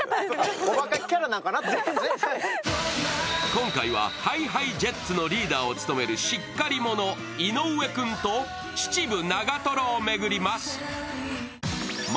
今回はＨｉＨｉＪｅｔｓのリーダーを務めるしっかり者、井上君と秩父・長瀞を巡ります。